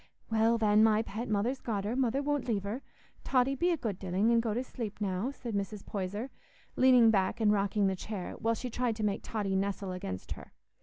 "Well, then, my pet, Mother's got her, Mother won't leave her; Totty be a good dilling, and go to sleep now," said Mrs. Poyser, leaning back and rocking the chair, while she tried to make Totty nestle against her.